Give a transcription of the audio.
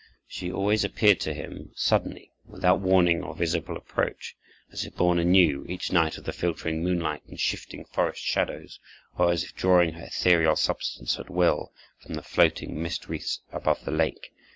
She always appeared to him suddenly, without warning or visible approach, as if born anew each night of the filtering moonlight and shifting forest shadows, or as if drawing her ethereal substance at will from the floating mist wreaths above the lake.